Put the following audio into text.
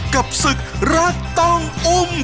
กับศึกรักต้องอุ้ม